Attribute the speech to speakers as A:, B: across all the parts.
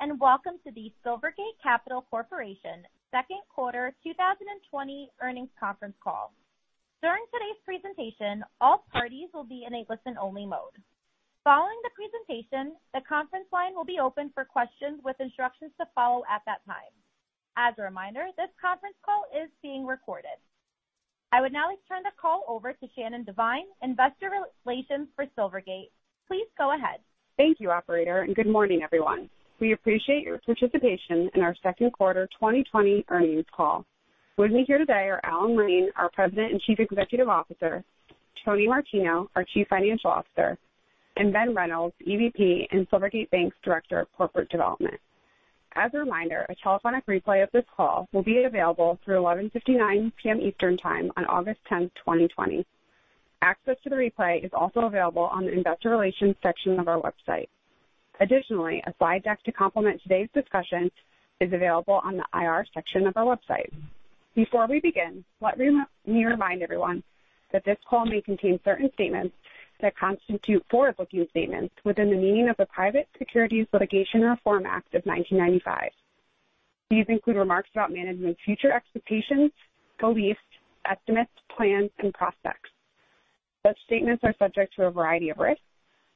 A: Good morning, and welcome to the Silvergate Capital Corporation second quarter 2020 earnings conference call. During today's presentation, all parties will be in a listen-only mode. Following the presentation, the conference line will be open for questions with instructions to follow at that time. As a reminder, this conference call is being recorded. I would now like to turn the call over to Shannon Devine, Investor Relations for Silvergate. Please go ahead.
B: Thank you, operator. Good morning, everyone. We appreciate your participation in our second quarter 2020 earnings call. With me here today are Alan Lane, our President and Chief Executive Officer, Tony Martino, our Chief Financial Officer, and Ben Reynolds, EVP and Silvergate Bank's Director of Corporate Development. As a reminder, a telephonic replay of this call will be available through 11:59 P.M. Eastern Time on August 10th, 2020. Access to the replay is also available on the investor relations section of our website. Additionally, a slide deck to complement today's discussions is available on the IR section of our website. Before we begin, let me remind everyone that this call may contain certain statements that constitute forward-looking statements within the meaning of the Private Securities Litigation Reform Act of 1995. These include remarks about management's future expectations, beliefs, estimates, plans, and prospects. Such statements are subject to a variety of risks,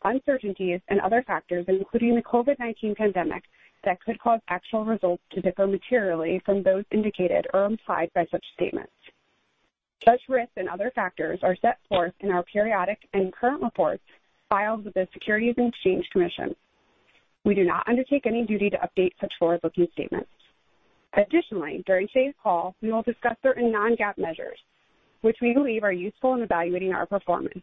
B: uncertainties, and other factors, including the COVID-19 pandemic, that could cause actual results to differ materially from those indicated or implied by such statements. Such risks and other factors are set forth in our periodic and current reports filed with the Securities and Exchange Commission. We do not undertake any duty to update such forward-looking statements. Additionally, during today's call, we will discuss certain non-GAAP measures which we believe are useful in evaluating our performance.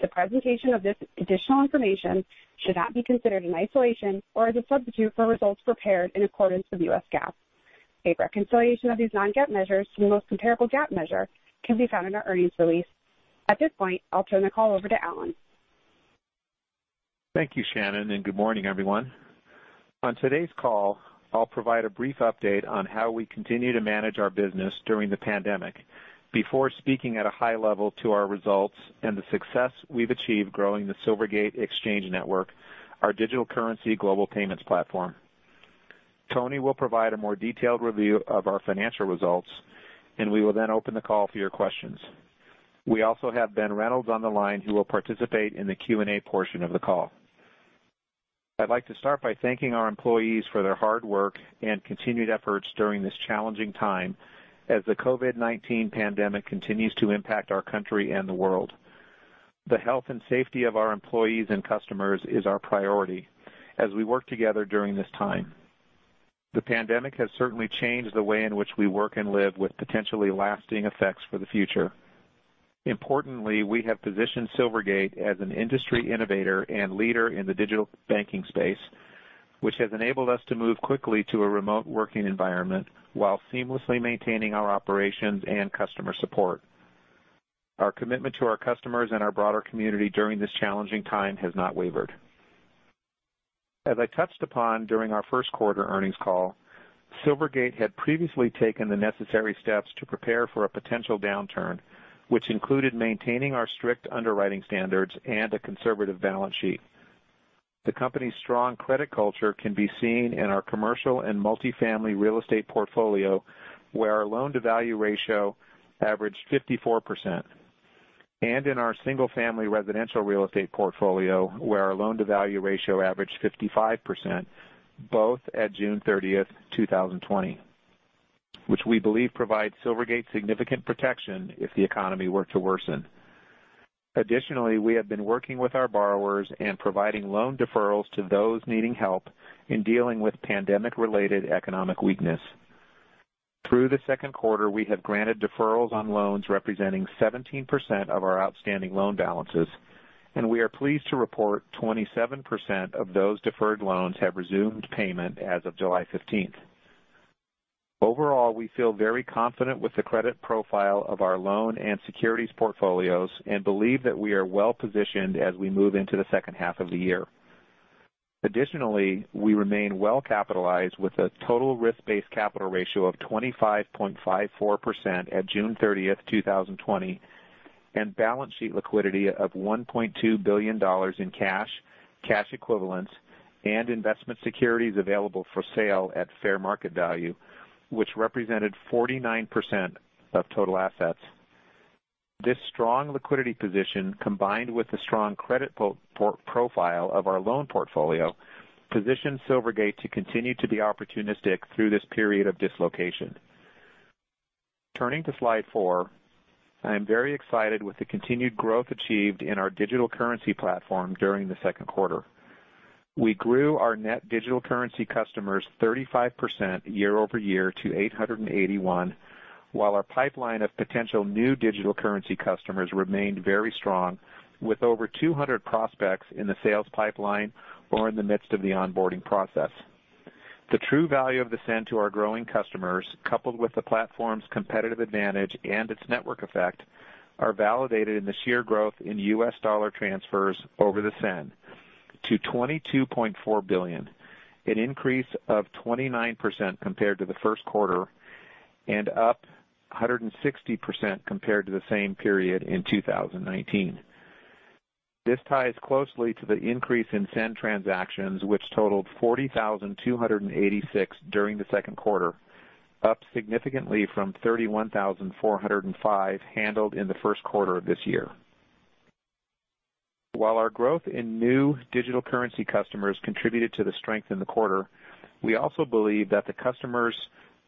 B: The presentation of this additional information should not be considered in isolation or as a substitute for results prepared in accordance with U.S. GAAP. A reconciliation of these non-GAAP measures to the most comparable GAAP measure can be found in our earnings release. At this point, I'll turn the call over to Alan.
C: Thank you, Shannon, and good morning, everyone. On today's call, I'll provide a brief update on how we continue to manage our business during the pandemic before speaking at a high level about our results and the success we've achieved in growing the Silvergate Exchange Network, our digital currency global payments platform. Tony will provide a more detailed review of our financial results, and we will then open the call for your questions. We also have Ben Reynolds on the line, who will participate in the Q&A portion of the call. I'd like to start by thanking our employees for their hard work and continued efforts during this challenging time as the COVID-19 pandemic continues to impact our country and the world. The health and safety of our employees and customers is our priority as we work together during this time. The pandemic has certainly changed the way in which we work and live, with potentially lasting effects for the future. Importantly, we have positioned Silvergate as an industry innovator and leader in the digital banking space, which has enabled us to move quickly to a remote working environment while seamlessly maintaining our operations and customer support. Our commitment to our customers and our broader community during this challenging time has not wavered. As I touched upon during our first quarter earnings call, Silvergate had previously taken the necessary steps to prepare for a potential downturn, which included maintaining our strict underwriting standards and a conservative balance sheet. The company's strong credit culture can be seen in our commercial and multifamily real estate portfolio, where our loan-to-value ratio averaged 54%, and in our single-family residential real estate portfolio, where our loan-to-value ratio averaged 55%, both at June 30th, 2020, which we believe provides Silvergate significant protection if the economy were to worsen. Additionally, we have been working with our borrowers and providing loan deferrals to those needing help in dealing with pandemic-related economic weakness. Through the second quarter, we have granted deferrals on loans representing 17% of our outstanding loan balances, and we are pleased to report 27% of those deferred loans have resumed payment as of July 15th. Overall, we feel very confident with the credit profile of our loan and securities portfolios and believe that we are well-positioned as we move into the second half of the year. We remain well-capitalized with a total risk-based capital ratio of 25.54% at June 30th, 2020, and balance sheet liquidity of $1.2 billion in cash, cash equivalents, and investment securities available for sale at fair market value, which represented 49% of total assets. This strong liquidity position, combined with the strong credit profile of our loan portfolio, positions Silvergate to continue to be opportunistic through this period of dislocation. Turning to slide four, I am very excited with the continued growth achieved in our digital currency platform during the second quarter. We grew our net digital currency customers 35% year-over-year to 881, while our pipeline of potential new digital currency customers remained very strong with over 200 prospects in the sales pipeline or in the midst of the onboarding process. The true value of the SEN to our growing customers, coupled with the platform's competitive advantage and its network effect, are validated in the sheer growth in US dollar transfers over the SEN to $22.4 billion, an increase of 29% compared to the first quarter and up 160% compared to the same period in 2019. This ties closely to the increase in SEN transactions, which totaled 40,286 during the second quarter, up significantly from 31,405 handled in the first quarter of this year. While our growth in new digital currency customers contributed to the strength in the quarter, we also believe that the customers'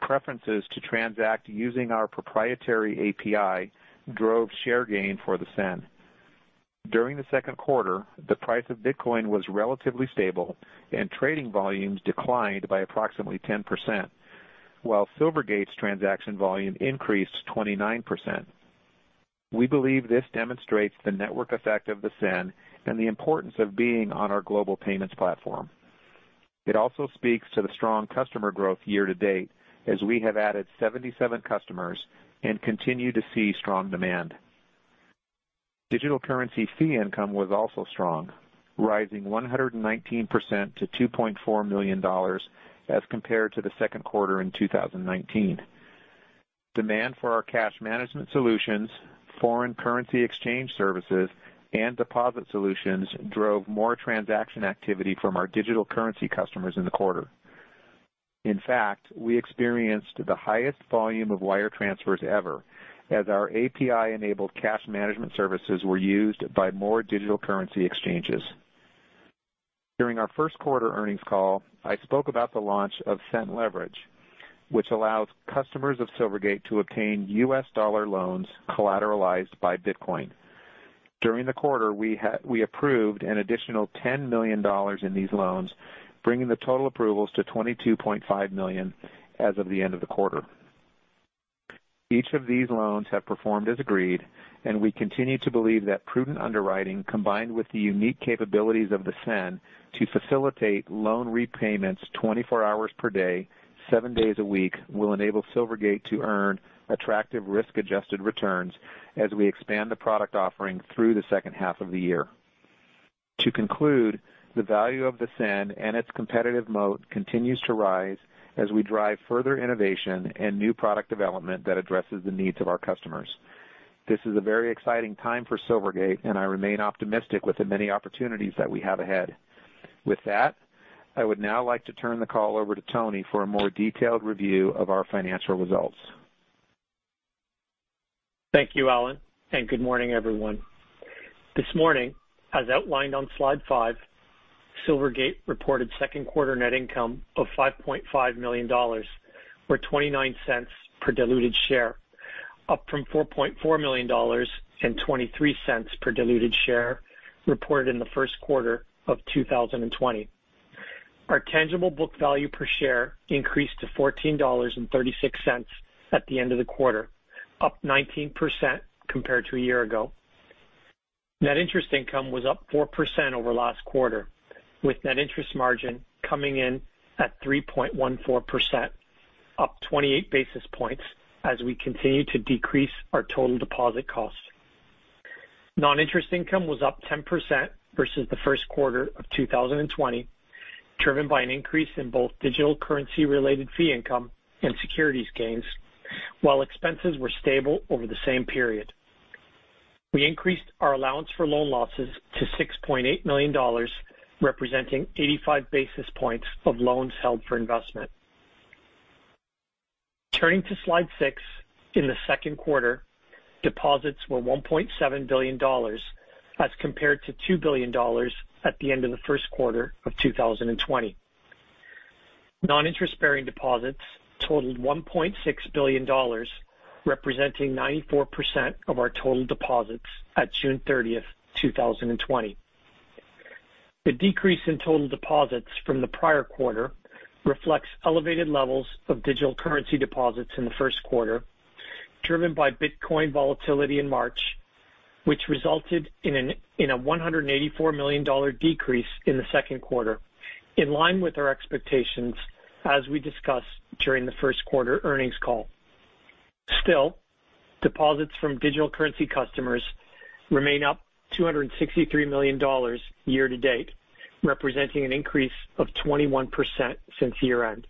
C: preferences to transact using our proprietary API drove share gain for the SEN. During the second quarter, the price of Bitcoin was relatively stable, and trading volumes declined by approximately 10%, while Silvergate's transaction volume increased 29%. We believe this demonstrates the network effect of the SEN and the importance of being on our global payments platform. It also speaks to the strong customer growth year-to-date, as we have added 77 customers and continue to see strong demand. Digital currency fee income was also strong, rising 119% to $2.4 million as compared to the second quarter of 2019. Demand for our cash management solutions, foreign currency exchange services, and deposit solutions drove more transaction activity from our digital currency customers in the quarter. In fact, we experienced the highest volume of wire transfers ever as our API-enabled cash management services were used by more digital currency exchanges. During our first quarter earnings call, I spoke about the launch of SEN Leverage, which allows customers of Silvergate to obtain US dollar loans collateralized by Bitcoin. During the quarter, we approved an additional $10 million in these loans, bringing the total approvals to $22.5 million as of the end of the quarter. Each of these loans has performed as agreed, and we continue to believe that prudent underwriting, combined with the unique capabilities of the SEN to facilitate loan repayments 24 hours per day, seven days a week, will enable Silvergate to earn attractive risk-adjusted returns as we expand the product offering through the second half of the year. To conclude, the value of the SEN and its competitive moat continues to rise as we drive further innovation and new product development that addresses the needs of our customers. This is a very exciting time for Silvergate, and I remain optimistic about the many opportunities that we have ahead. With that, I would now like to turn the call over to Tony for a more detailed review of our financial results.
D: Thank you, Alan. Good morning, everyone. This morning, as outlined on slide five, Silvergate reported second quarter net income of $5.5 million, or $0.29 per diluted share, up from $4.4 million and $0.23 per diluted share reported in the first quarter of 2020. Our tangible book value per share increased to $14.36 at the end of the quarter, up 19% compared to a year ago. Net interest income was up 4% over last quarter, with net interest margin coming in at 3.14%, up 28 basis points as we continue to decrease our total deposit cost. Non-interest income was up 10% versus the first quarter of 2020, driven by an increase in both digital currency-related fee income and securities gains, while expenses were stable over the same period. We increased our allowance for loan losses to $6.8 million, representing 85 basis points of loans held for investment. Turning to slide six, in the second quarter, deposits were $1.7 billion as compared to $2 billion at the end of the first quarter of 2020. Non-interest-bearing deposits totaled $1.6 billion, representing 94% of our total deposits at June 30th, 2020. The decrease in total deposits from the prior quarter reflects elevated levels of digital currency deposits in the first quarter, driven by Bitcoin volatility in March, which resulted in a $184 million decrease in the second quarter, in line with our expectations as we discussed during the first quarter earnings call. Still, deposits from digital currency customers remain up $263 million year-to-date, representing an increase of 21% since year-end.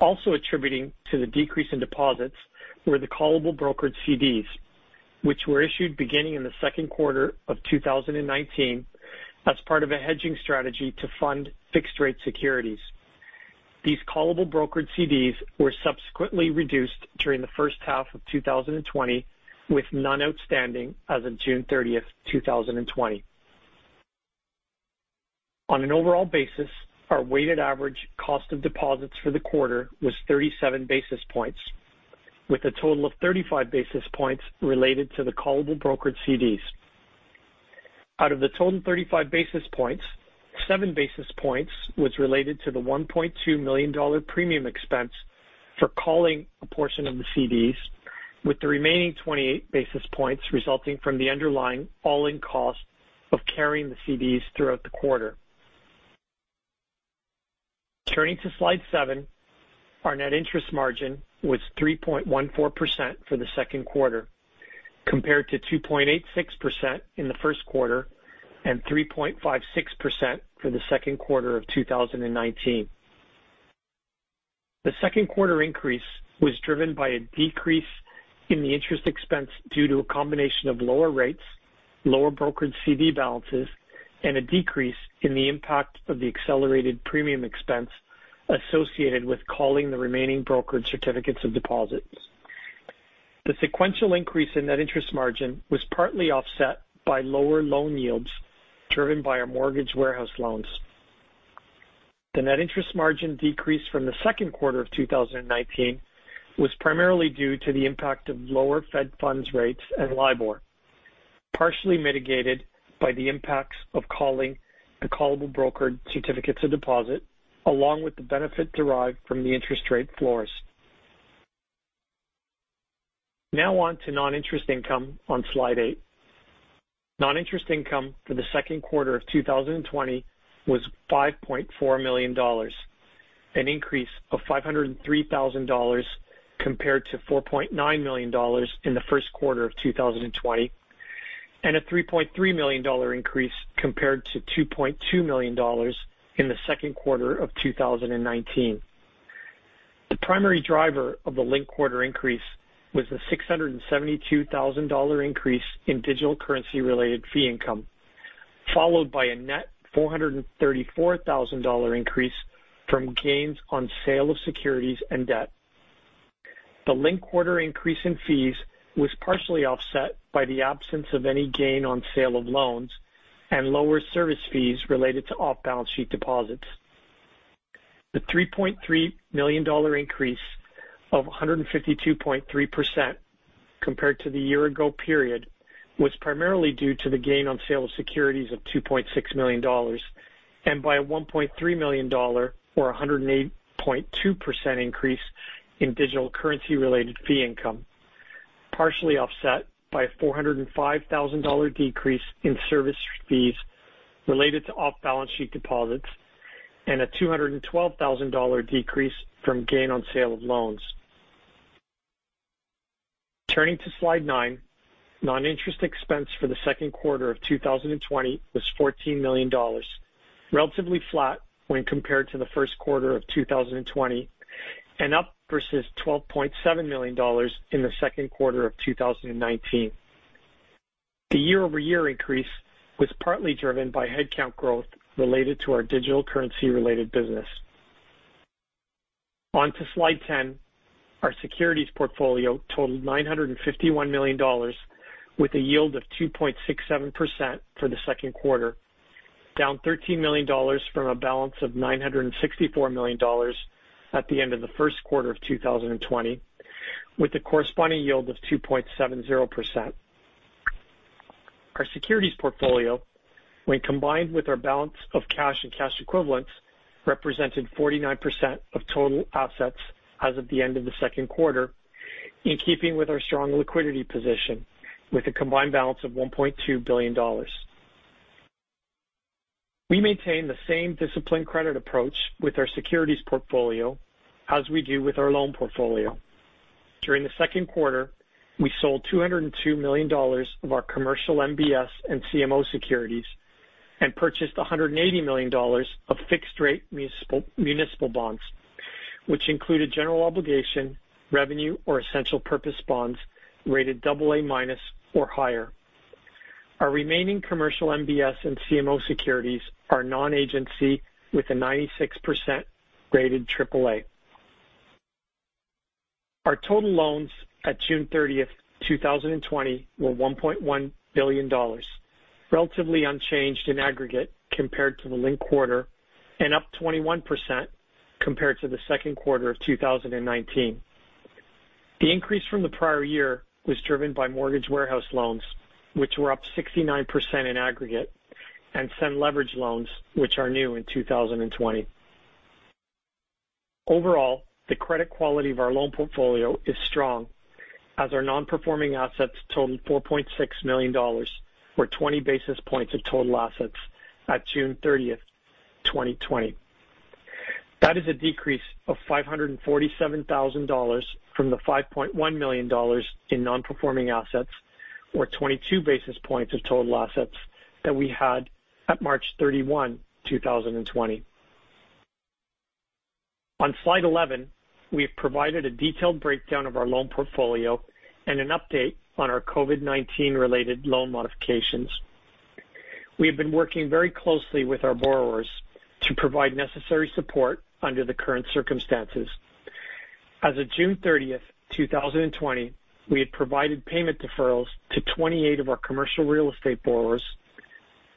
D: Also attributing to the decrease in deposits were the callable brokered CDs, which were issued beginning in the second quarter of 2019 as part of a hedging strategy to fund fixed-rate securities. These callable brokered CDs were subsequently reduced during the first half of 2020, with none outstanding as of June 30th, 2020. On an overall basis, our weighted average cost of deposits for the quarter was 37 basis points, with a total of 35 basis points related to the callable brokered CDs. Out of the total 35 basis points, 7 basis points was related to the $1.2 million premium expense for calling a portion of the CDs, with the remaining 28 basis points resulting from the underlying all-in cost of carrying the CDs throughout the quarter. Turning to slide seven, our net interest margin was 3.14% for the second quarter, compared to 2.86% in the first quarter and 3.56% for the second quarter of 2019. The second quarter increase was driven by a decrease in the interest expense due to a combination of lower rates, lower brokered CD balances, and a decrease in the impact of the accelerated premium expense associated with calling the remaining brokered certificates of deposits. The sequential increase in net interest margin was partly offset by lower loan yields driven by our mortgage warehouse loans. The net interest margin decrease from the second quarter of 2019 was primarily due to the impact of lower Fed funds rates and LIBOR, partially mitigated by the impacts of calling the callable brokered certificates of deposit, along with the benefit derived from the interest rate floors. On to non-interest income on slide eight. Non-interest income for the second quarter of 2020 was $5.4 million, an increase of $503,000 compared to $4.9 million in the first quarter of 2020, and a $3.3 million increase compared to $2.2 million in the second quarter of 2019. The primary driver of the linked-quarter increase was the $672,000 increase in digital currency-related fee income, followed by a net $434,000 increase from gains on sale of securities and debt. The linked-quarter increase in fees was partially offset by the absence of any gain on sale of loans and lower service fees related to off-balance sheet deposits. The $3.3 million increase of 152.3% compared to the year-ago period was primarily due to the gain on sale of securities of $2.6 million, and by a $1.3 million, or 108.2% increase in digital currency-related fee income, partially offset by a $405,000 decrease in service fees related to off-balance sheet deposits and a $212,000 decrease from gain on sale of loans. Turning to slide nine, non-interest expense for the second quarter of 2020 was $14 million, relatively flat when compared to the first quarter of 2020, and up versus $12.7 million in the second quarter of 2019. The year-over-year increase was partly driven by headcount growth related to our digital currency-related business. On to slide 10, our securities portfolio totaled $951 million, with a yield of 2.67% for the second quarter, down $13 million from a balance of $964 million at the end of the first quarter of 2020, with a corresponding yield of 2.70%. Our securities portfolio, when combined with our balance of cash and cash equivalents, represented 49% of total assets as of the end of the second quarter, in keeping with our strong liquidity position with a combined balance of $1.2 billion. We maintain the same disciplined credit approach with our securities portfolio as we do with our loan portfolio. During the second quarter, we sold $202 million of our commercial MBS and CMO securities and purchased $180 million of fixed-rate municipal bonds, which included general obligation, revenue, or essential purpose bonds rated AA- or higher. Our remaining commercial MBS and CMO securities are non-agency with a 96% rated AAA. Our total loans as of June 30th, 2020, were $1.1 billion, relatively unchanged in aggregate compared to the linked quarter, and up 21% compared to the second quarter of 2019. The increase from the prior year was driven by mortgage warehouse loans, which were up 69% in aggregate, and SEN Leverage loans, which are new in 2020. Overall, the credit quality of our loan portfolio is strong, as our non-performing assets totaled $4.6 million, or 20 basis points of total assets at June 30th, 2020. That is a decrease of $547,000 from the $5.1 million in non-performing assets, or 22 basis points of total assets that we had at March 31, 2020. On slide 11, we have provided a detailed breakdown of our loan portfolio and an update on our COVID-19-related loan modifications. We have been working very closely with our borrowers to provide necessary support under the current circumstances. As of June 30th, 2020, we had provided payment deferrals to 28 of our commercial real estate borrowers,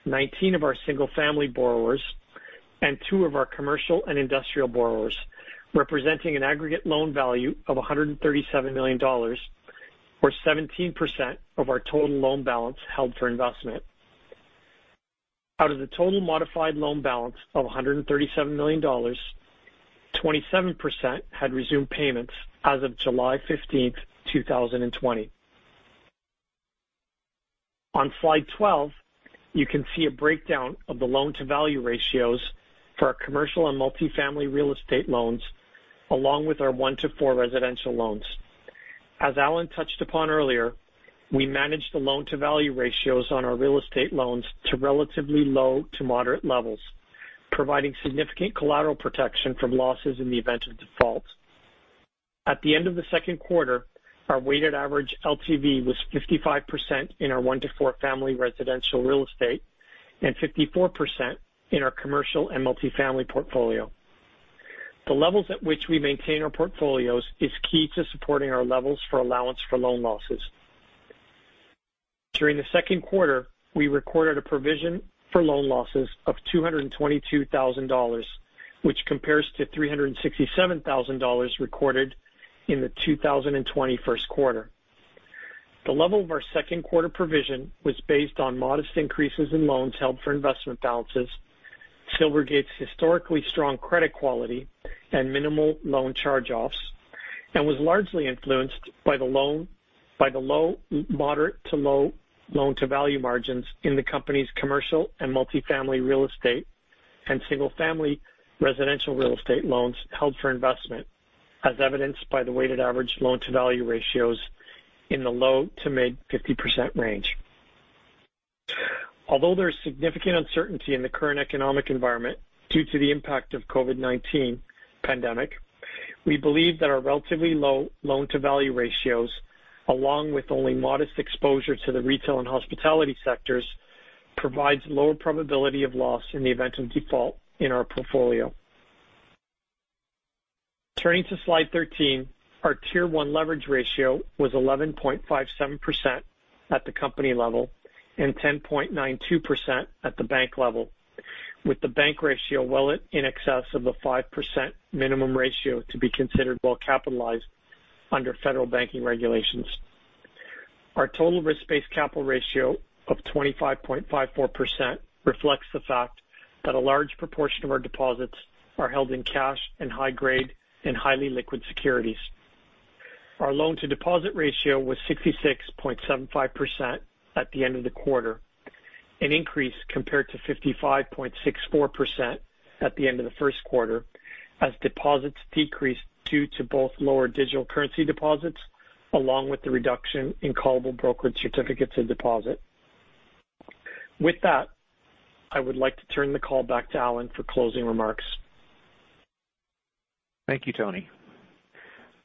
D: 19 of our single-family borrowers, and two of our commercial and industrial borrowers, representing an aggregate loan value of $137 million, or 17% of our total loan balance held for investment. Out of the total modified loan balance of $137 million, 27% had resumed payments as of July 15th, 2020. On slide 12, you can see a breakdown of the loan-to-value ratios for our commercial and multi-family real estate loans, along with our one-to-four residential loans. As Alan touched upon earlier, we managed the loan-to-value ratios on our real estate loans to relatively low to moderate levels, providing significant collateral protection from losses in the event of default. At the end of the second quarter, our weighted average LTV was 55% in our one-to-four family residential real estate and 54% in our commercial and multifamily portfolio. The levels at which we maintain our portfolios are key to supporting our levels for allowance for loan losses. During the second quarter, we recorded a provision for loan losses of $222,000, which compares to $367,000 recorded in the 2020 first quarter. The level of our second quarter provision was based on modest increases in loans held for investment balances, Silvergate's historically strong credit quality and minimal loan charge-offs, and was largely influenced by the low, moderate to low loan-to-value margins in the company's commercial and multifamily real estate and single-family residential real estate loans held for investment, as evidenced by the weighted average loan-to-value ratios in the low to mid 50% range. Although there is significant uncertainty in the current economic environment due to the impact of the COVID-19 pandemic, we believe that our relatively low loan-to-value ratios, along with only modest exposure to the retail and hospitality sectors, provide a lower probability of loss in the event of default in our portfolio. Turning to slide 13, our Tier 1 leverage ratio was 11.57% at the company level and 10.92% at the bank level, with the bank ratio well in excess of the 5% minimum ratio to be considered well-capitalized under federal banking regulations. Our total risk-based capital ratio of 25.54% reflects the fact that a large proportion of our deposits are held in cash and high-grade and highly liquid securities. Our loan-to-deposit ratio was 66.75% at the end of the quarter, an increase compared to 55.64% at the end of the first quarter, as deposits decreased due to both lower digital currency deposits along with the reduction in callable brokered certificates of deposit. With that, I would like to turn the call back to Alan for closing remarks.
C: Thank you, Tony.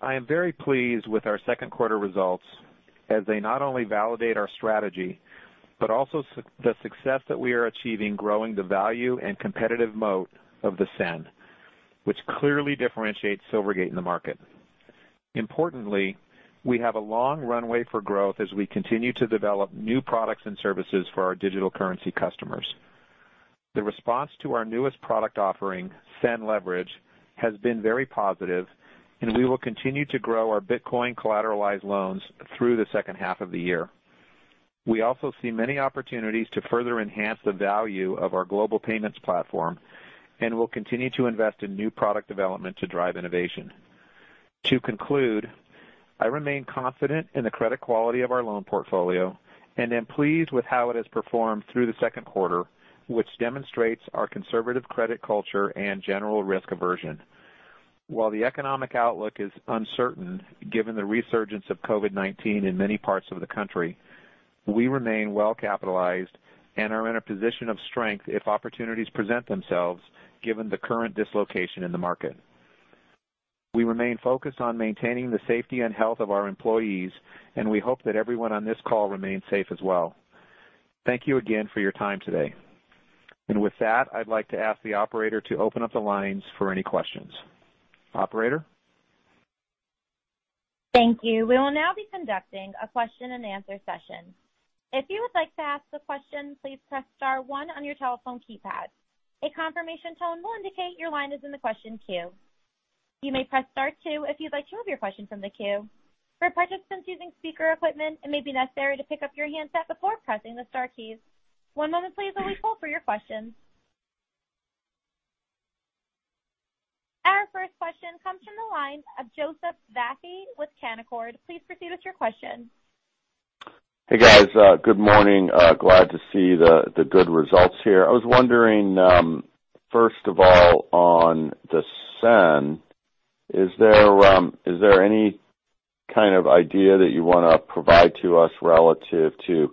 C: I am very pleased with our second quarter results as they not only validate our strategy, but also the success that we are achieving in growing the value and competitive moat of the SEN, which clearly differentiates Silvergate in the market. Importantly, we have a long runway for growth as we continue to develop new products and services for our digital currency customers. The response to our newest product offering, SEN Leverage, has been very positive, and we will continue to grow our Bitcoin collateralized loans through the second half of the year. We also see many opportunities to further enhance the value of our global payments platform and will continue to invest in new product development to drive innovation. To conclude, I remain confident in the credit quality of our loan portfolio and am pleased with how it has performed through the second quarter, which demonstrates our conservative credit culture and general risk aversion. While the economic outlook is uncertain, given the resurgence of COVID-19 in many parts of the country, we remain well-capitalized and are in a position of strength if opportunities present themselves, given the current dislocation in the market. We remain focused on maintaining the safety and health of our employees, and we hope that everyone on this call remains safe as well. Thank you again for your time today. With that, I'd like to ask the operator to open up the lines for any questions. Operator?
A: Thank you. We will now be conducting a question-and-answer session. If you would like to ask a question, please press star one on your telephone keypad. A confirmation tone will indicate your line is in the question queue. You may press star two if you would like to remove your question from the queue. For participants using speaker equipment, it may be necessary to pick up your handset before pressing the star keys. One moment, please, while we pull for your question. Our first question comes from the line of Joseph Vafi with Canaccord. Please proceed with your question.
E: Hey, guys. Good morning. Glad to see the good results here. I was wondering, first of all, on the SEN, is there any kind of idea that you want to provide to us relative to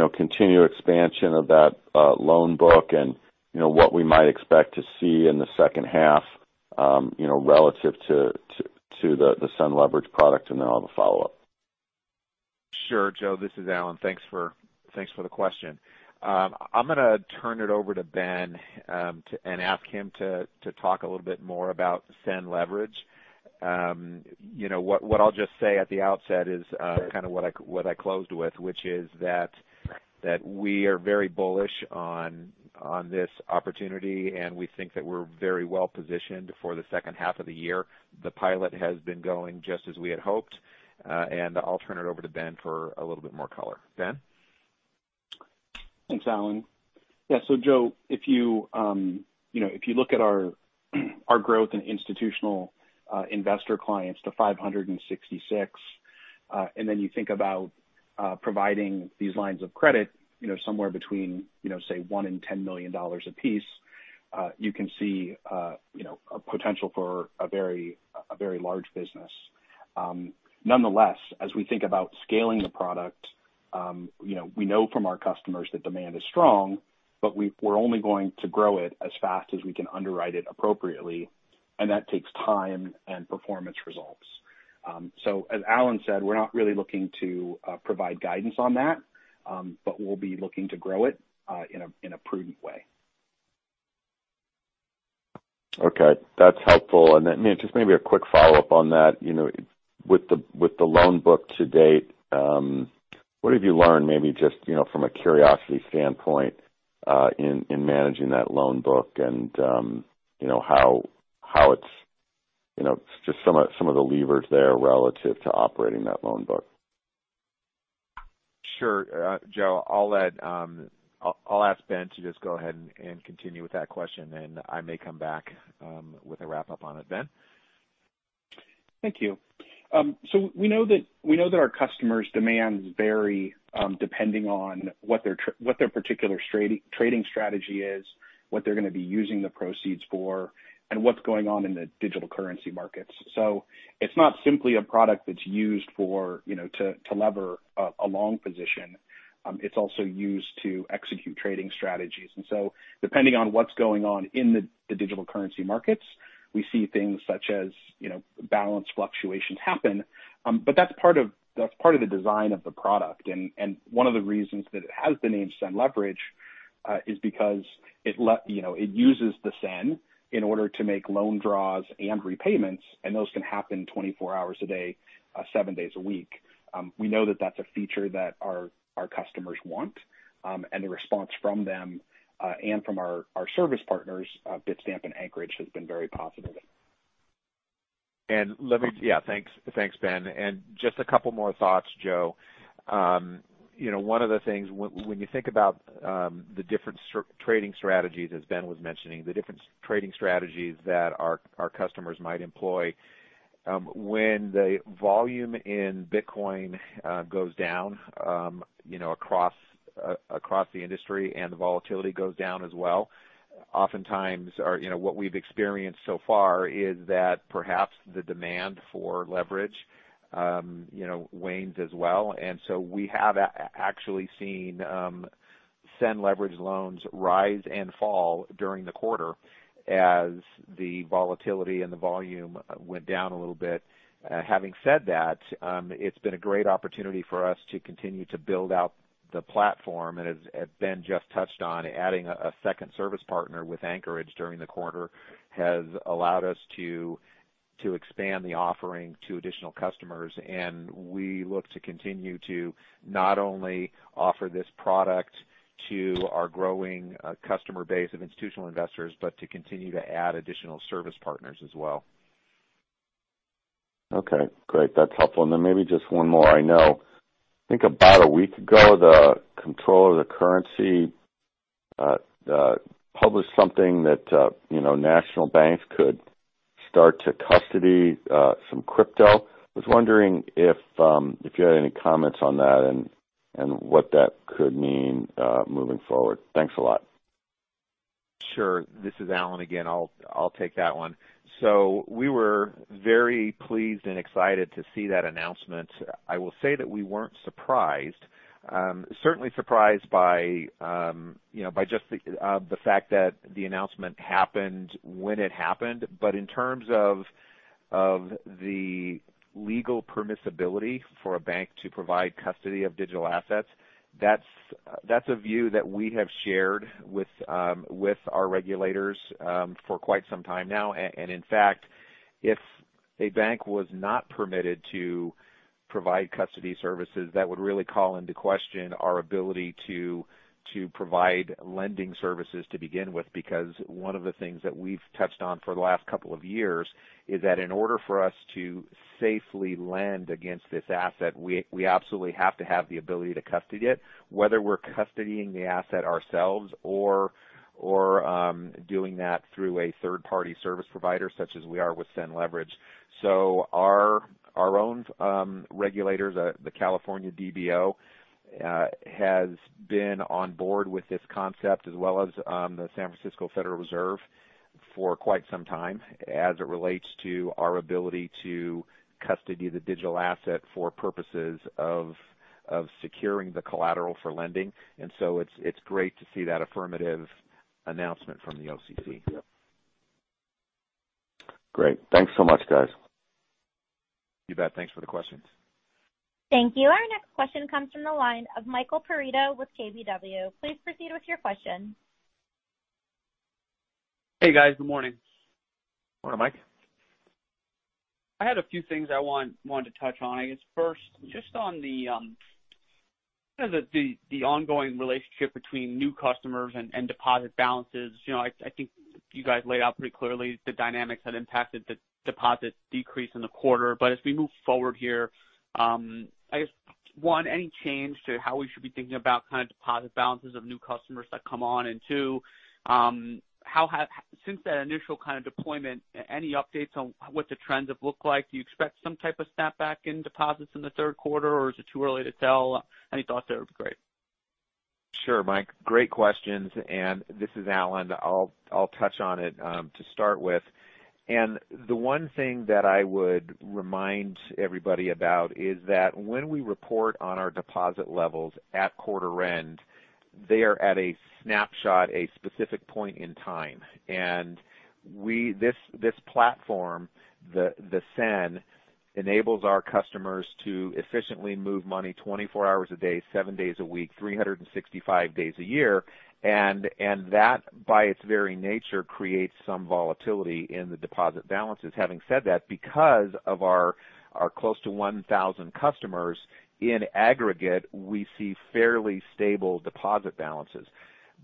E: the continued expansion of that loan book and what we might expect to see in the second half relative to the SEN Leverage product? I'll have a follow-up.
C: Sure, Joe. This is Alan. Thanks for the question. I'm going to turn it over to Ben and ask him to talk a little bit more about SEN Leverage. What I'll just say at the outset is kind of what I closed with, which is that we are very bullish on this opportunity, and we think that we're very well-positioned for the second half of the year. The pilot has been going just as we had hoped. I'll turn it over to Ben for a little bit more color. Ben?
F: Thanks, Alan. Yeah. Joe, if you look at our growth in institutional investor clients to 566, and then if you think about providing these lines of credit somewhere between, say, $1 million-$10 million a piece. You can see a potential for a very large business. As we think about scaling the product, we know from our customers that demand is strong, but we're only going to grow it as fast as we can underwrite it appropriately, and that takes time and performance results. As Alan said, we're not really looking to provide guidance on that, but we'll be looking to grow it in a prudent way.
E: Okay. That's helpful. Just maybe a quick follow-up on that. With the loan book to date, what have you learned, maybe just from a curiosity standpoint, in managing that loan book and just some of the levers there relative to operating that loan book?
C: Sure. Joe, I'll ask Ben to just go ahead and continue with that question, and I may come back with a wrap-up on it. Ben?
F: Thank you. We know that our customers' demands vary depending on what their particular trading strategy is, what they're going to be using the proceeds for, and what's going on in the digital currency markets. It's not simply a product that's used to lever a long position. It's also used to execute trading strategies. Depending on what's going on in the digital currency markets, we see things such as balance fluctuations happen. That's part of the design of the product. One of the reasons that it has the name SEN Leverage is because it uses the SEN in order to make loan draws and repayments, and those can happen 24 hours a day, seven days a week. We know that that's a feature that our customers want, and the response from them and from our service partners, Bitstamp and Anchorage, has been very positive.
C: Yeah. Thanks, Ben. Just a couple more thoughts, Joe. One of the things, when you think about the different trading strategies, as Ben was mentioning, the different trading strategies that our customers might employ, when the volume in Bitcoin goes down across the industry, and the volatility goes down as well, oftentimes what we've experienced so far is that perhaps the demand for leverage wanes as well. We have actually seen SEN Leverage loans rise and fall during the quarter as the volatility and the volume went down a little bit. Having said that, it's been a great opportunity for us to continue to build out the platform. As Ben just touched on, adding a second service partner with Anchorage during the quarter has allowed us to expand the offering to additional customers. We look to continue to not only offer this product to our growing customer base of institutional investors, but also to continue to add additional service partners as well.
E: Okay, great. That's helpful. Maybe just one more. I know, I think about a week ago, the Office of the Comptroller of the Currency published something that national banks could start to custody some crypto. I was wondering if you had any comments on that and what that could mean moving forward. Thanks a lot.
C: Sure. This is Alan again. I'll take that one. We were very pleased and excited to see that announcement. I will say that we weren't surprised. Certainly surprised by just the fact that the announcement happened when it happened. In terms of the legal permissibility for a bank to provide custody of digital assets, that's a view that we have shared with our regulators for quite some time now. In fact, if a bank was not permitted to provide custody services, that would really call into question our ability to provide lending services to begin with. Because one of the things that we've touched on for the last couple of years is that in order for us to safely lend against this asset, we absolutely have to have the ability to custody it, whether we're custodying the asset ourselves or doing that through a third-party service provider, such as we are with SEN Leverage. Our own regulators, the California DBO, has been on board with this concept, as well as the San Francisco Federal Reserve, for quite some time as it relates to our ability to custody the digital asset for purposes of securing the collateral for lending. It's great to see that affirmative announcement from the OCC.
E: Great. Thanks so much, guys.
C: You bet. Thanks for the questions.
A: Thank you. Our next question comes from the line of Michael Perito with KBW. Please proceed with your question.
G: Hey, guys. Good morning.
C: Morning, Mike.
G: I had a few things I wanted to touch on. I guess first, just on the ongoing relationship between new customers and deposit balances. I think you guys laid out pretty clearly the dynamics that impacted the deposit decrease in the quarter. As we move forward here, I guess, one, any change to how we should be thinking about deposit balances of new customers that come on? And two, how, since that initial kind of deployment, have any updates on what the trends have looked like? Do you expect some type of snapback in deposits in the third quarter, or is it too early to tell? Any thoughts there would be great.
C: Sure, Mike. Great questions. This is Alan. I'll touch on it to start with. The one thing that I would remind everybody about is that when we report on our deposit levels at quarter end, they are at a snapshot, a specific point in time. This platform, the SEN, enables our customers to efficiently move money 24 hours a day, seven days a week, 365 days a year. That, by its very nature, creates some volatility in the deposit balances. Having said that, because of our close to 1,000 customers, in aggregate, we see fairly stable deposit balances.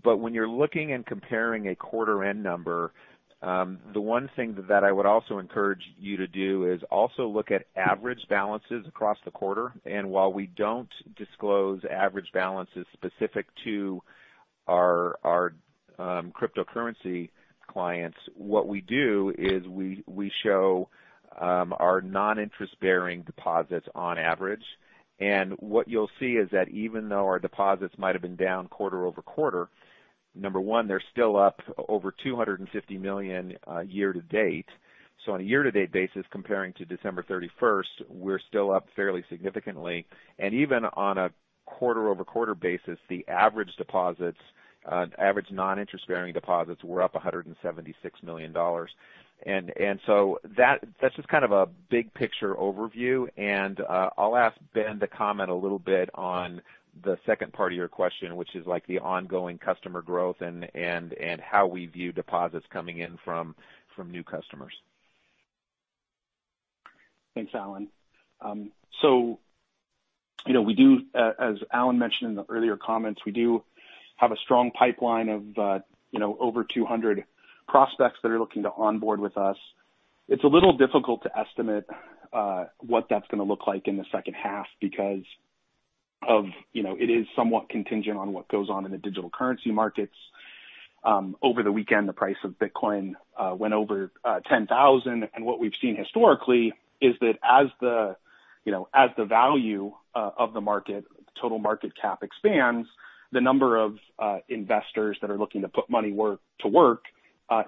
C: When you're looking and comparing a quarter-end number, the one thing that I would also encourage you to do is also look at average balances across the quarter. While we don't disclose average balances specific to our cryptocurrency clients, what we do is we show our non-interest-bearing deposits on average. What you'll see is that even though our deposits might've been down quarter-over-quarter, number one, they're still up over $250 million year-to-date. On a year-to-date basis, comparing to December 31st, we're still up fairly significantly. Even on a quarter-over-quarter basis, the average non-interest-bearing deposits were up $176 million. That's just kind of a big-picture overview, and I'll ask Ben to comment a little bit on the second part of your question, which is the ongoing customer growth and how we view deposits coming in from new customers.
F: Thanks, Alan. As Alan mentioned in the earlier comments, we do have a strong pipeline of over 200 prospects that are looking to onboard with us. It's a little difficult to estimate what that's going to look like in the second half because it is somewhat contingent on what goes on in the digital currency markets. Over the weekend, the price of Bitcoin went over $10,000. What we've seen historically is that as the value of the market, the total market cap expands, the number of investors that are looking to put money to work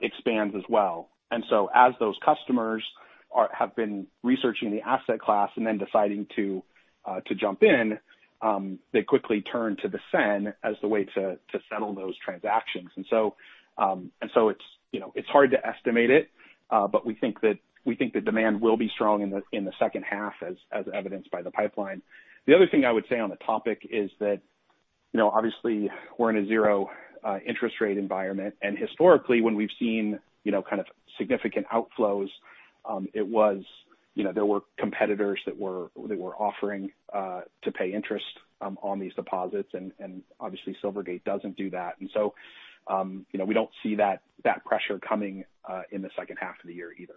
F: expands as well. As those customers have been researching the asset class and then deciding to jump in, they quickly turn to the SEN as the way to settle those transactions. It's hard to estimate it. We think that demand will be strong in the second half, as evidenced by the pipeline. The other thing I would say on the topic is that obviously, we're in a zero-interest-rate environment. Historically, when we've seen kind of significant outflows, there were competitors that were offering to pay interest on these deposits. Obviously, Silvergate doesn't do that. We don't see that pressure coming in the second half of the year either.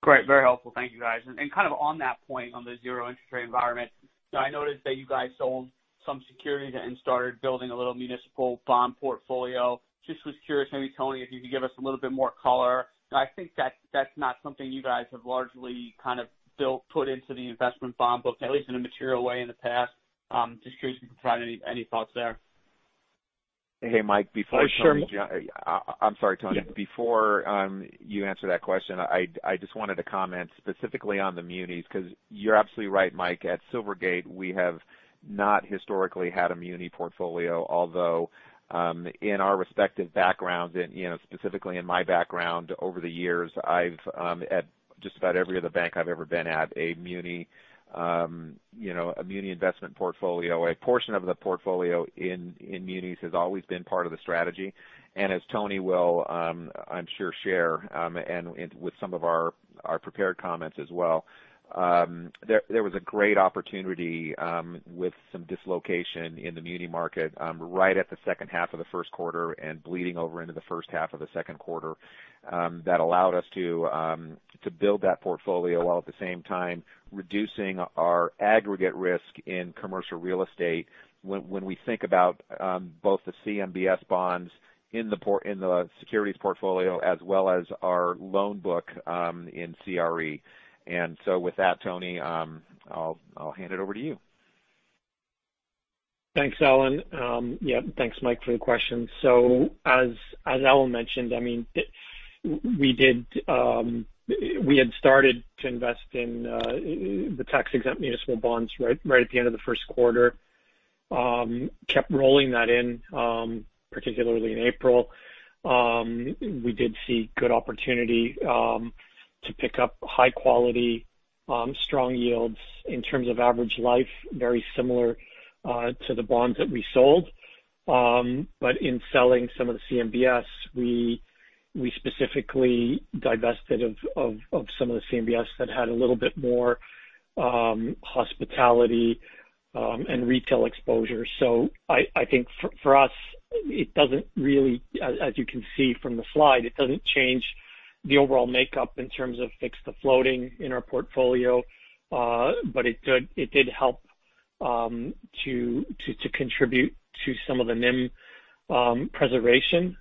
G: Great. Very helpful. Thank you, guys. Kind of on that point, on the zero-interest-rate environment, I noticed that you guys sold some securities and started building a little municipal bond portfolio. Just was curious, maybe Tony, if you could give us a little bit more color. I think that's not something you guys have largely kind of put into the investment bond book, at least in a material way in the past. Just curious if you could provide any thoughts there.
C: Hey, Mike, before Tony- I'm sorry, Tony. Before Tony answers that question, I just wanted to comment specifically on the munis because you're absolutely right, Mike. At Silvergate, we have not historically had a muni portfolio. Although in our respective backgrounds and specifically in my background over the years, at just about every other bank I've ever been at, a muni investment portfolio or a portion of the portfolio in munis has always been part of the strategy. As Tony will, I'm sure share, and with some of our prepared comments as well, there was a great opportunity with some dislocation in the muni market right at the second half of the first quarter and bleeding over into the first half of the second quarter that allowed us to build that portfolio while at the same time reducing our aggregate risk in commercial real estate when we think about both the CMBS bonds in the securities portfolio as well as our loan book in CRE. With that, Tony, I'll hand it over to you.
D: Thanks, Alan. Yeah, thanks, Mike, for the question. As Alan mentioned, we had started to invest in the tax-exempt municipal bonds right at the end of the first quarter. Kept rolling that in, particularly in April. We did see a good opportunity to pick up high-quality, strong yields in terms of average life, very similar to the bonds that we sold. In selling some of the CMBS, we specifically divested of some of the CMBS that had a little bit more hospitality and retail exposure. I think for us, as you can see from the slide, it doesn't change the overall makeup in terms of fixed to floating in our portfolio. It did help to contribute to some of the NIM preservation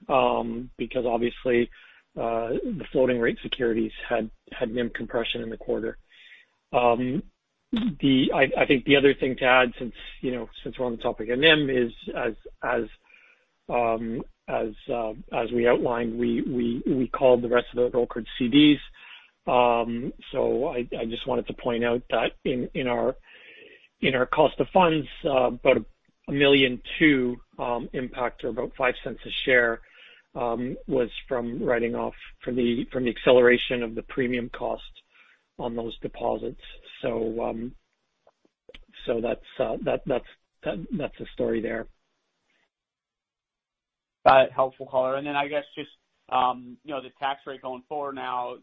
D: because obviously, the floating rate securities had NIM compression in the quarter. I think the other thing to add, since we're on the topic of NIM, is that, as we outlined, we called the rest of the brokered CDs. I just wanted to point out that in our cost of funds, about $1.2 million impact or about $0.05 a share, was from writing off from the acceleration of the premium cost on those deposits. That's the story there.
G: Got it. Helpful color. I guess just the tax rate going forward now,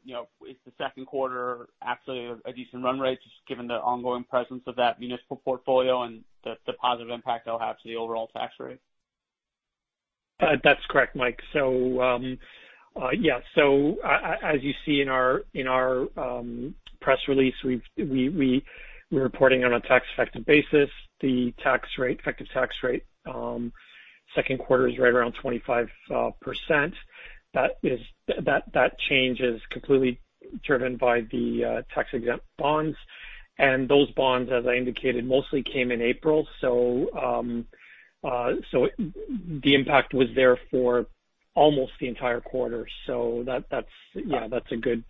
G: is the second quarter actually a decent run rate, just given the ongoing presence of that municipal portfolio and the positive impact that'll have on the overall tax rate?
D: That's correct, Mike. Yes. As you see in our press release, we're reporting on a tax-effective basis. The effective tax rate for the second quarter is right around 25%. That change is completely driven by the tax-exempt bonds. Those bonds, as I indicated, mostly came in April; the impact was there for almost the entire quarter. That's a good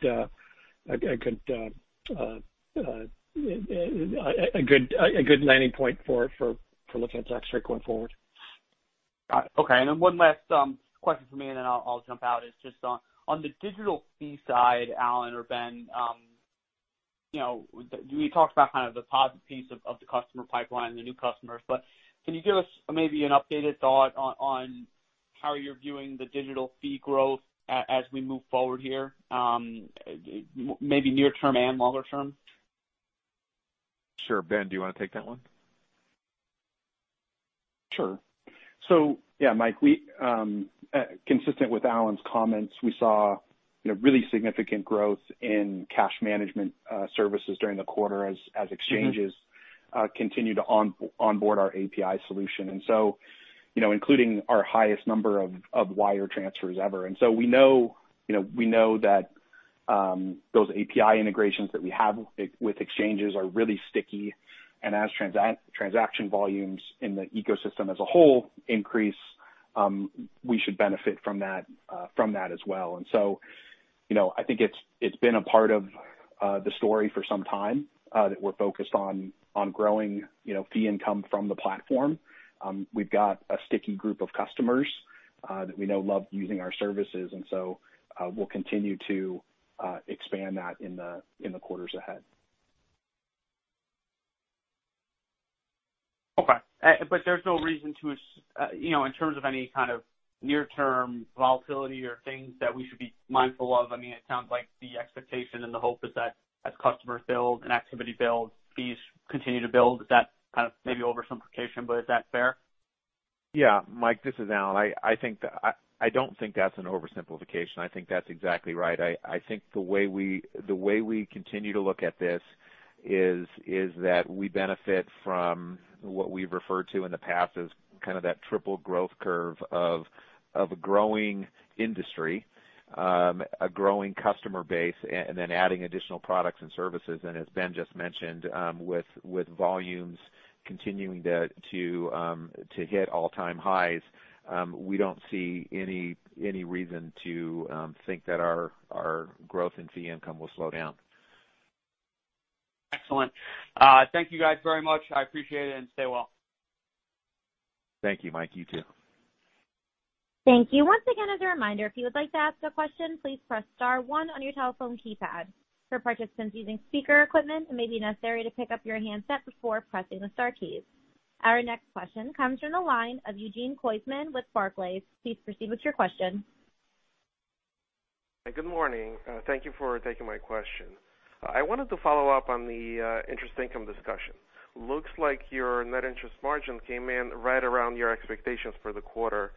D: landing point for looking at the tax rate going forward.
G: Got it. Okay, one last question from me, and then I'll jump out. It's just on the digital fee side, Alan or Ben, you talked about kind of the positive piece of the customer pipeline and the new customers. Can you give us maybe an updated thought on how you're viewing the digital fee growth as we move forward here, maybe near-term and longer term?
C: Sure. Ben, do you want to take that one?
F: Sure. Yeah, Mike, consistent with Alan’s comments, we saw really significant growth in cash management services during the quarter as exchanges continue to onboard our API solution. Including our highest number of wire transfers ever. We know that those API integrations that we have with exchanges are really sticky, and as transaction volumes in the ecosystem as a whole increase, we should benefit from that as well. I think it’s been a part of the story for some time that we’re focused on growing fee income from the platform. We’ve got a sticky group of customers that we know love using our services, and so we’ll continue to expand that in the quarters ahead.
G: Okay. There's no reason to, in terms of any kind of near-term volatility or things that we should be mindful of. It sounds like the expectation, and the hope is that as customers build and activity builds, fees continue to build. Is that kind of maybe oversimplification, but is that fair?
C: Yeah. Mike, this is Alan. I don't think that's an oversimplification. I think that's exactly right. I think the way we continue to look at this is that we benefit from what we've referred to in the past as kind of that triple growth curve of a growing industry, a growing customer base, and then adding additional products and services. As Ben just mentioned, with volumes continuing to hit all-time highs, we don't see any reason to think that our growth in fee income will slow down.
G: Excellent. Thank you very much, guys. I appreciate it, and stay well.
C: Thank you, Mike. You too.
A: Thank you. Once again, as a reminder, if you would like to ask a question, please press star one on your telephone keypad. For participants using speaker equipment, it may be necessary to pick up your handset before pressing the star keys. Our next question comes from the line of Eugene Koysman with Barclays. Please proceed with your question.
H: Good morning. Thank you for taking my question. I wanted to follow up on the interest income discussion. Looks like your net interest margin came in right around your expectations for the quarter.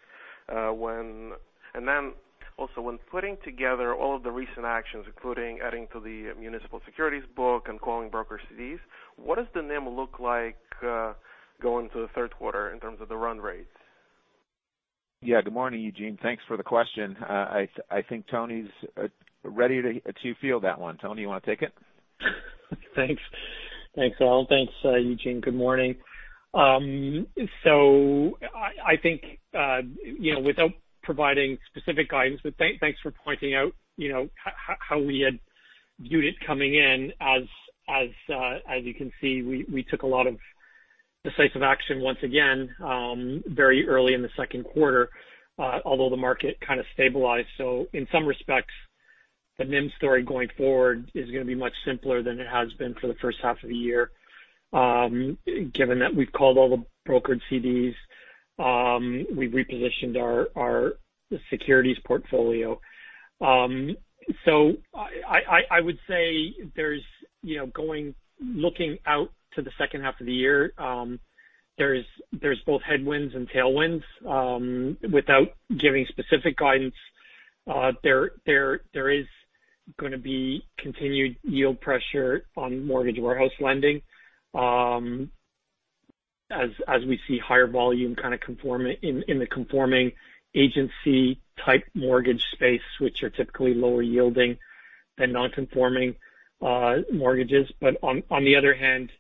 H: Then also, when putting together all of the recent actions, including adding to the municipal securities book and calling brokered CDs, what does the NIM look like going into the third quarter in terms of the run rate?
C: Good morning, Eugene. Thanks for the question. I think Tony's ready to field that one. Tony, you want to take it?
D: Thanks, Alan. Thanks, Eugene. Good morning. I think without providing specific guidance, but thanks for pointing out how we had viewed it coming in. As you can see, we took a lot of decisive action once again, very early in the second quarter, although the market kind of stabilized. In some respects, the NIM story going forward is going to be much simpler than it has been for the first half of the year, given that we've called all the brokered CDs, we've repositioned our securities portfolio. I would say there's, looking out to the second half of the year, there's both headwinds and tailwinds. Without giving specific guidance, there is going to be continued yield pressure on mortgage warehouse lending as we see higher volume in the conforming agency-type mortgage space, which are typically lower-yielding than non-conforming mortgages. On the other hand,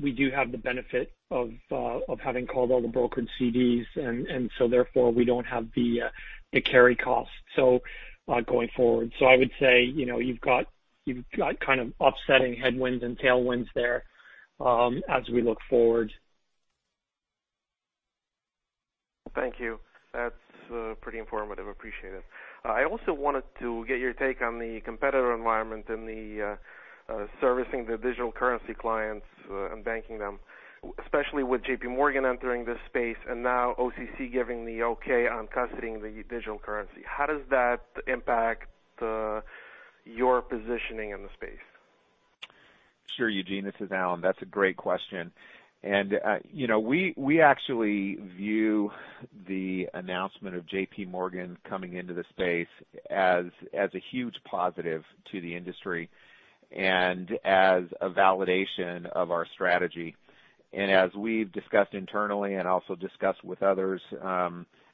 D: we do have the benefit of having called all the brokered CDs, and therefore, we don't have the carry cost going forward. I would say, you've got kind of offsetting headwinds and tailwinds there as we look forward.
H: Thank you. That's pretty informative. Appreciate it. I also wanted to get your take on the competitor environment in servicing the digital currency clients and banking them, especially with JPMorgan entering this space and now the OCC giving the okay on custodying the digital currency. How does that impact your positioning in the space?
C: Sure, Eugene. This is Alan. That's a great question. We actually view the announcement of JPMorgan coming into this space as a huge positive to the industry and as a validation of our strategy. As we've discussed internally and also discussed with others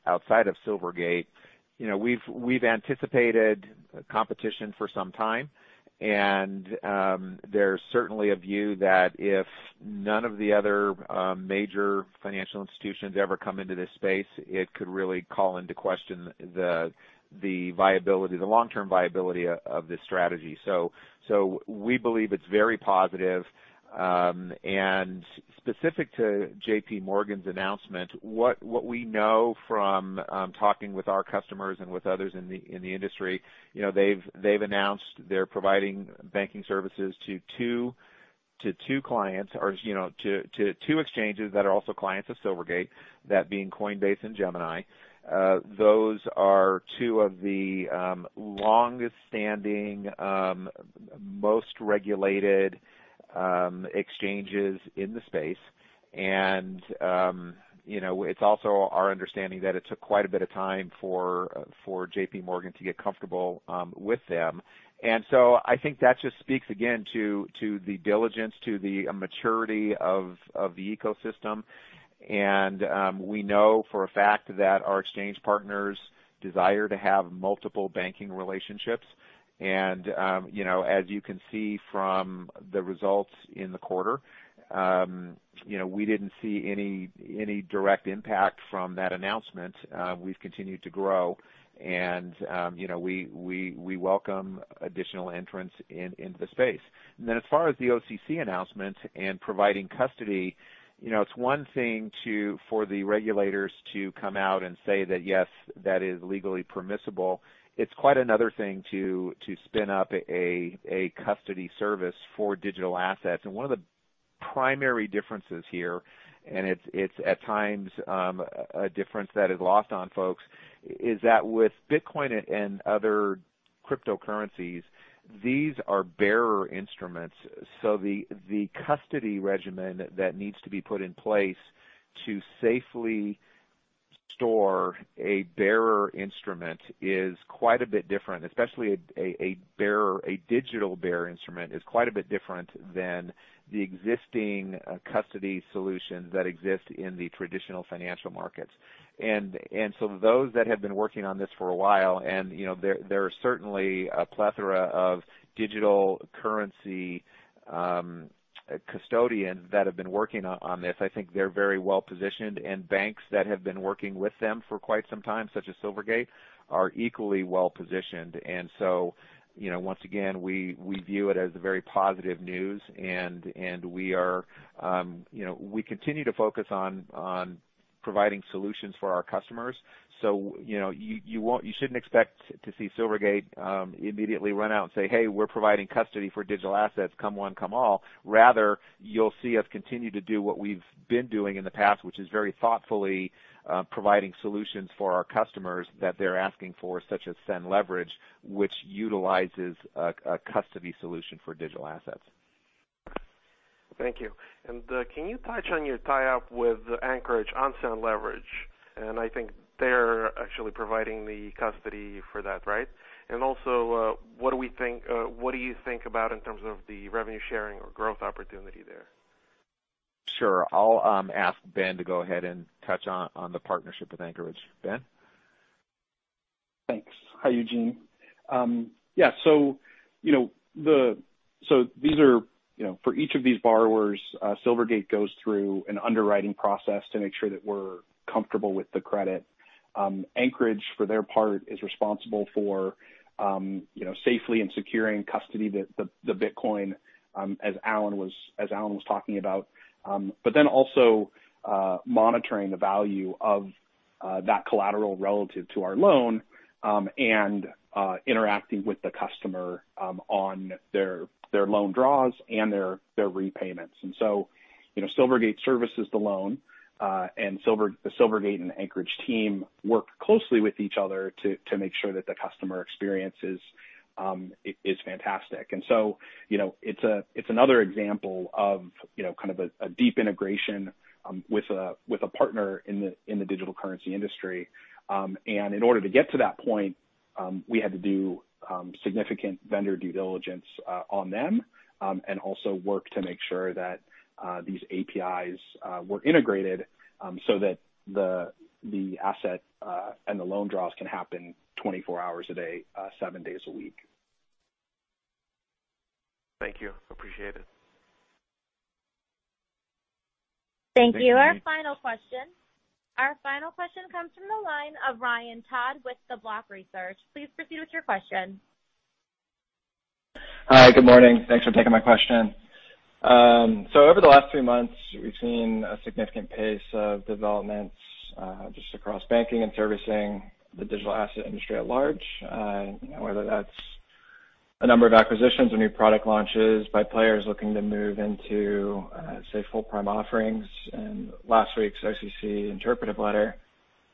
C: outside of Silvergate, we've anticipated competition for some time. There's certainly a view that if none of the other major financial institutions ever come into this space, it could really call into question the long-term viability of this strategy. We believe it's very positive. Specific to JPMorgan's announcement, what we know from talking with our customers and with others in the industry, they've announced they're providing banking services to two clients, or to two exchanges that are also clients of Silvergate, that being Coinbase and Gemini. Those are two of the longest-standing, most regulated exchanges in the space. It's also our understanding that it took quite a bit of time for JPMorgan to get comfortable with them. I think that just speaks again to the diligence, to the maturity of the ecosystem. We know for a fact that our exchange partners desire to have multiple banking relationships. As you can see from the results in the quarter, we didn't see any direct impact from that announcement. We've continued to grow, and we welcome additional entrants into the space. As far as the OCC announcement and providing custody, it's one thing for the regulators to come out and say that, yes, that is legally permissible. It's quite another thing to spin up a custody service for digital assets. One of the primary differences here, and it's at times a difference that is lost on folks, is that with Bitcoin and other cryptocurrencies, these are bearer instruments. The custody regimen that needs to be put in place to safely store a bearer instrument is quite a bit different, especially for a digital bearer instrument, which is quite a bit different from the existing custody solutions that exist in the traditional financial markets. Those that have been working on this for a while, and there are certainly a plethora of digital currency custodians that have been working on this, I think they're very well-positioned, and banks that have been working with them for quite some time, such as Silvergate, are equally well-positioned. Once again, we view it as a very positive news, and we continue to focus on providing solutions for our customers. You shouldn't expect to see Silvergate immediately run out and say, "Hey, we're providing custody for digital assets. Come one, come all." Rather, you'll see us continue to do what we've been doing in the past, which is very thoughtfully providing solutions for our customers that they're asking for, such as SEN Leverage, which utilizes a custody solution for digital assets.
H: Thank you. Can you touch on your tie-up with Anchorage on SEN Leverage? I think they're actually providing the custody for that, right? What do you think about in terms of the revenue sharing or growth opportunity there?
C: Sure. I'll ask Ben to go ahead and touch on the partnership with Anchorage. Ben?
F: Thanks. Hi, Eugene. Yeah. For each of these borrowers, Silvergate goes through an underwriting process to make sure that we're comfortable with the credit. Anchorage, for their part, is responsible for safely securing custody of the Bitcoin, as Alan was talking about. Also monitoring the value of that collateral relative to our loan, and interacting with the customer on their loan draws and their repayments. Silvergate services the loan, and the Silvergate and Anchorage teams work closely with each other to make sure that the customer experience is fantastic. It's another example of kind of a deep integration with a partner in the digital currency industry. In order to get to that point, we had to do significant vendor due diligence on them and also work to make sure that these APIs were integrated so that the asset and the loan draws can happen 24 hours a day, seven days a week.
H: Thank you. Appreciate it.
A: Thank you. Our final question comes from the line of Ryan Todd with The Block Research. Please proceed with your question.
I: Hi. Good morning. Thanks for taking my question. Over the last three months, we've seen a significant pace of developments just across banking and servicing the digital asset industry at large, whether that's a number of acquisitions or new product launches by players looking to move into, say, full prime offerings and last week's OCC interpretive letter.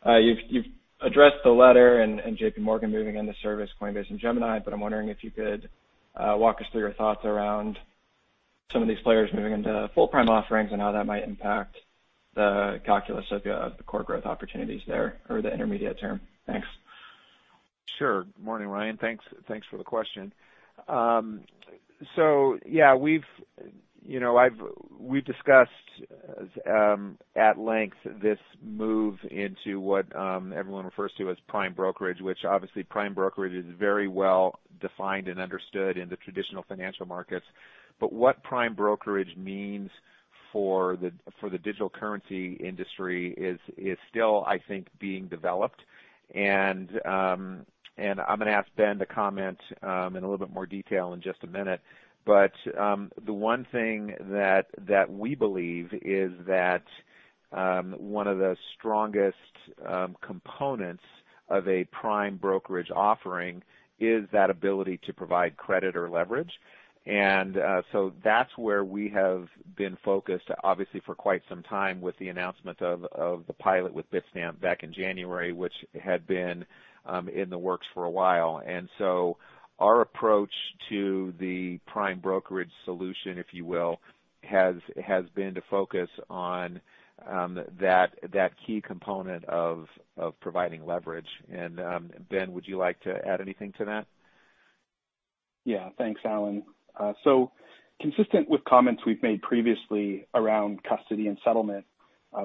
I: You've addressed the letter and JPMorgan moving into service Coinbase and Gemini, I'm wondering if you could walk us through your thoughts around some of these players moving into full prime offerings and how that might impact the calculus of the core growth opportunities there over the intermediate term. Thanks.
C: Sure. Good morning, Ryan. Thanks for the question. Yeah, we've discussed at length this move into what everyone refers to as prime brokerage, which obviously, prime brokerage is very well defined and understood in the traditional financial markets. What prime brokerage means for the digital currency industry is still, I think, being developed. I'm going to ask Ben to comment in a little bit more detail in just a minute. The one thing that we believe is that one of the strongest components of a prime brokerage offering is the ability to provide credit or leverage. That's where we have been focused, obviously, for quite some time, with the announcement of the pilot with Bitstamp back in January, which had been in the works for a while. Our approach to the prime brokerage solution, if you will, has been to focus on that key component of providing leverage. Ben, would you like to add anything to that?
F: Yeah. Thanks, Alan. Consistent with comments we've made previously around custody and settlement,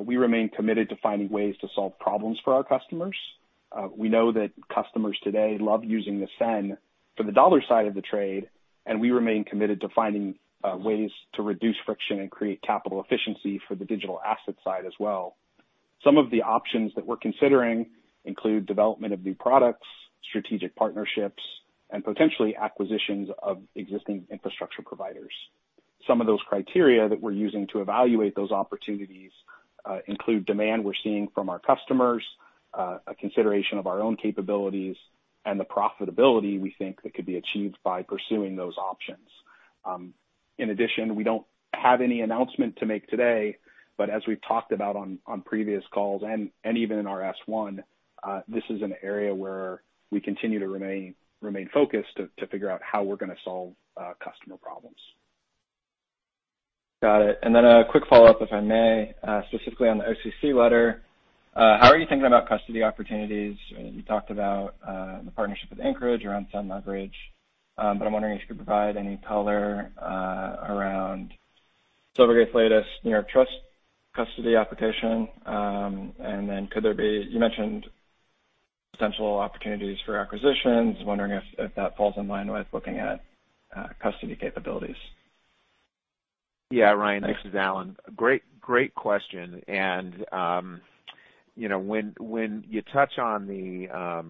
F: we remain committed to finding ways to solve problems for our customers. We know that customers today love using the SEN for the dollar side of the trade, and we remain committed to finding ways to reduce friction and create capital efficiency for the digital asset side as well. Some of the options that we're considering include the development of new products, strategic partnerships, and potentially acquisitions of existing infrastructure providers. Some of those criteria that we're using to evaluate those opportunities include the demand we're seeing from our customers, a consideration of our own capabilities, and the profitability we think that could be achieved by pursuing those options. We don't have any announcement to make today, but as we've talked about on previous calls and even in our S-1, this is an area where we continue to remain focused to figure out how we're going to solve customer problems.
I: Got it. A quick follow-up, if I may, specifically on the OCC letter. How are you thinking about custody opportunities? You talked about the partnership with Anchorage around SEN Leverage. I'm wondering if you could provide any color around Silvergate's latest New York trust custody application. You mentioned potential opportunities for acquisitions. Wondering if that falls in line with looking at custody capabilities.
C: Yeah. Ryan, this is Alan. Great question. When you touch on the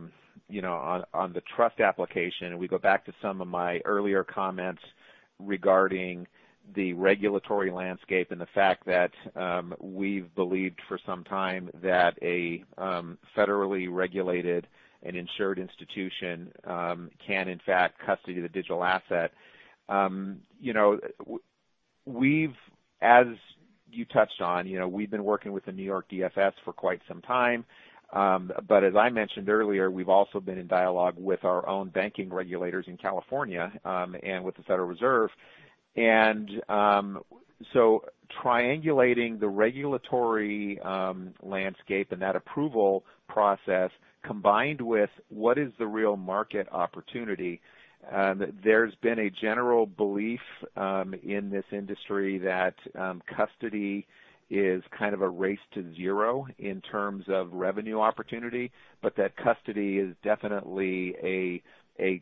C: trust application, and we go back to some of my earlier comments regarding the regulatory landscape and the fact that we've believed for some time that a federally regulated and insured institution can, in fact, custody the digital asset. As you touched on, we've been working with the New York DFS for quite some time. As I mentioned earlier, we've also been in dialogue with our own banking regulators in California and with the Federal Reserve. Triangulating the regulatory landscape and that approval process, combined with what the real market opportunity is, there has been a general belief in this industry that custody is kind of a race to zero in terms of revenue opportunity, but that custody is definitely a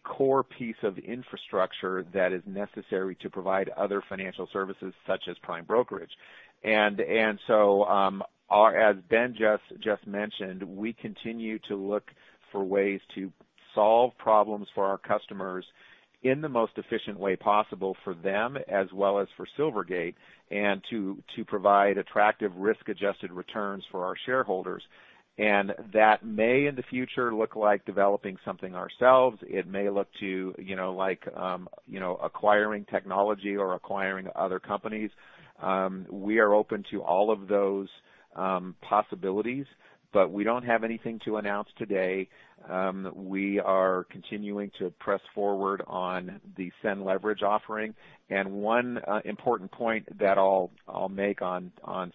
C: core piece of infrastructure that is necessary to provide other financial services, such as prime brokerage. As Ben just mentioned, we continue to look for ways to solve problems for our customers in the most efficient way possible for them as well as for Silvergate and to provide attractive risk-adjusted returns for our shareholders. That may, in the future, look like developing something ourselves. It may look like acquiring technology or acquiring other companies. We are open to all of those possibilities, but we don't have anything to announce today. We are continuing to press forward on the SEN Leverage offering. One important point that I'll make on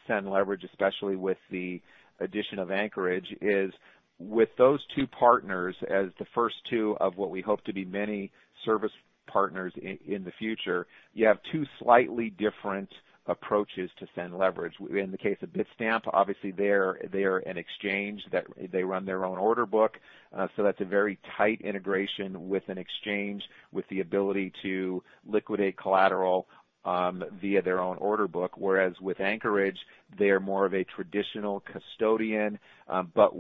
C: SEN Leverage, especially with the addition of Anchorage, is that with those two partners as the first two of what we hope to be many service partners in the future, you have two slightly different approaches to SEN Leverage. In the case of Bitstamp, obviously, they are an exchange. They run their own order book. That's a very tight integration with an exchange with the ability to liquidate collateral via their own order book. Whereas with Anchorage, they are more of a traditional custodian, but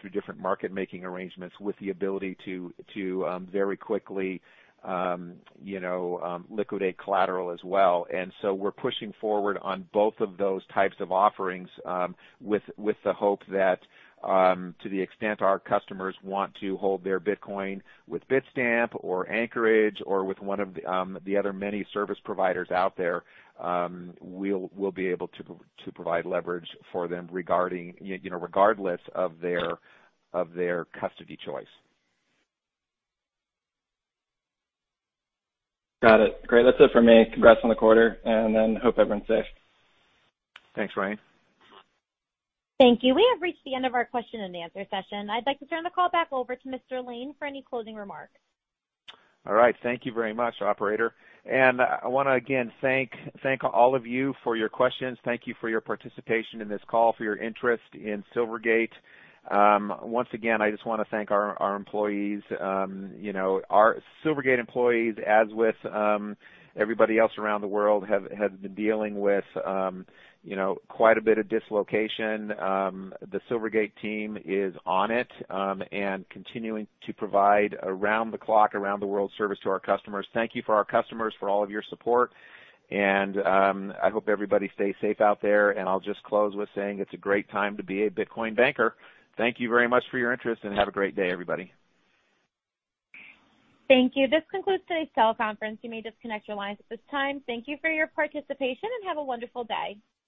C: through different market-making arrangements, with the ability to very quickly liquidate collateral as well. We're pushing forward on both of those types of offerings with the hope that, to the extent our customers want to hold their Bitcoin with Bitstamp or Anchorage or with one of the other many service providers out there, we'll be able to provide leverage for them regardless of their custody choice.
I: Got it. Great. That's it for me. Congrats on the quarter, and then hope everyone's safe.
C: Thanks, Ryan.
A: Thank you. We have reached the end of our question-and-answer session. I'd like to turn the call back over to Mr. Lane for any closing remarks.
C: All right. Thank you very much, operator. I want to, again, thank all of you for your questions. Thank you for your participation in this call, for your interest in Silvergate. Once again, I just want to thank our employees. Our Silvergate employees, as with everybody else around the world, have been dealing with quite a bit of dislocation. The Silvergate team is on it and continuing to provide around-the-clock, around-the-world service to our customers. Thank you to our customers for all of your support, and I hope everybody stays safe out there. I'll just close by saying it's a great time to be a Bitcoin banker. Thank you very much for your interest, and have a great day, everybody.
A: Thank you. This concludes today's teleconference. You may disconnect your lines at this time. Thank you for your participation, and have a wonderful day.